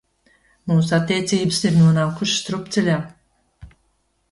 Mūsu attiecības ir nonākušas strupceļā!